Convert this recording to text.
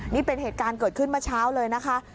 นี่เป็นเหตุการณ์เกิดขึ้นเมื่อเช้าเลยนะคะ